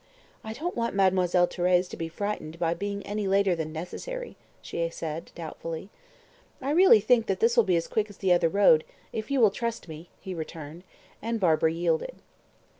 "I don't want Mademoiselle Thérèse to be frightened by being any later than necessary," she said doubtfully. "I really think this will be as quick as the other road if you will trust me," he returned. And Barbara yielded.